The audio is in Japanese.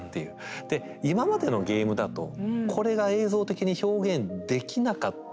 で今までのゲームだとこれが映像的に表現できなかったんですよね。